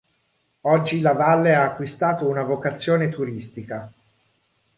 Oggi la valle ha acquistato una vocazione turistica.